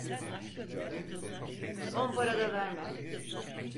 On para da vermem.